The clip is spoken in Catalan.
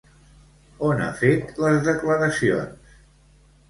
On ha fet les declaracions?